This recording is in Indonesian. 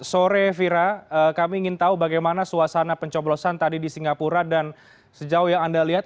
sore vira kami ingin tahu bagaimana suasana pencoblosan tadi di singapura dan sejauh yang anda lihat